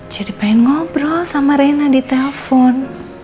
jadi ingin ngobrol sama rena di telepon